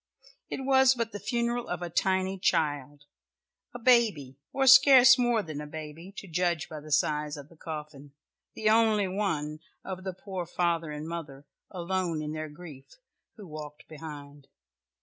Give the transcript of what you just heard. It was but the funeral of a tiny child, a baby, or scarce more than a baby to judge by the size of the coffin, "the only one" of the poor father and mother alone in their grief, who walked behind.